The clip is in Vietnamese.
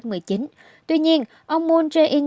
tuy nhiên ông moon jae in đã đưa ra một bản thân cho các nhân viên